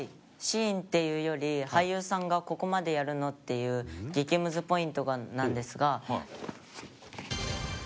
シーンっていうより俳優さんがここまでやるの？っていう激ムズポイントなんですが。